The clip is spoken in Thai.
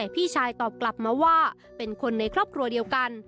พี่ชายตอบกลับมาว่าเป็นคนในครอบครัวเดียวกัน